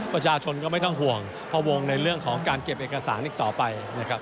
ประชาชนก็ไม่ต้องห่วงเพราะวงในเรื่องของการเก็บเอกสารอีกต่อไปนะครับ